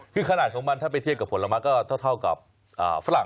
คือขนาดของมันถ้าไปเทียบกับผลไม้ก็เท่ากับฝรั่ง